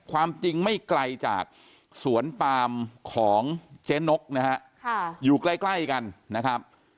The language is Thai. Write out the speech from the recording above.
ความจริงไม่ไกลจากสวนปามของเจ๊นกนะฮะอยู่ใกล้กันนะครับ